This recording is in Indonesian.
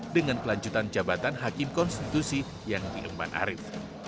dengan kelanjutan jabatan hakim konstitusi yang diemban arief